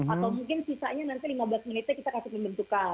atau mungkin sisanya nanti lima belas menitnya kita kasih pembentukan